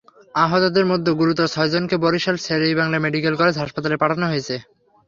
আহতদের মধ্যে গুরুতর ছয়জনকে বরিশাল শের-ই-বাংলা মেডিকেল কলেজ হাসপাতালে পাঠানো হয়েছে।